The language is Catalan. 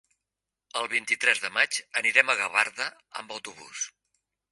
El vint-i-tres de maig anirem a Gavarda amb autobús.